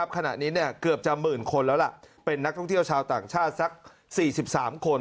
ขณะนี้เกือบจะหมื่นคนแล้วล่ะเป็นนักท่องเที่ยวชาวต่างชาติสัก๔๓คน